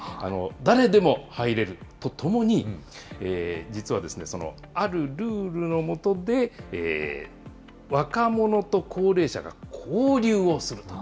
誰でも入れるとともに、実はあるルールの下で、若者と高齢者が交流をすると。